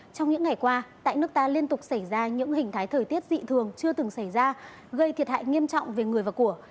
trong những ngày qua tại nước ta liên tục xảy ra những hình thái thời tiết dị thường chưa từng xảy ra gây thiệt hại nghiêm trọng về người và của